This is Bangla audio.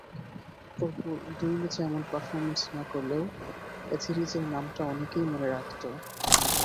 পরপর দুই ম্যাচে এমন পারফরম্যান্স না করলেও এথেরিজের নামটা অনেকেই মনে রাখত।